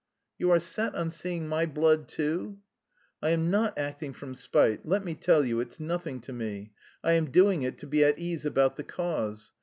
"You are set on seeing my blood, too?" "I am not acting from spite; let me tell you, it's nothing to me. I am doing it to be at ease about the cause.